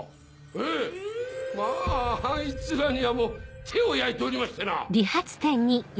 ええまぁあいつらにはもう手を焼いておりましてな！